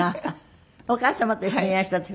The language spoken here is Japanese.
お母様と一緒にいらした時？